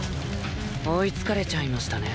追いつかれちゃいましたね。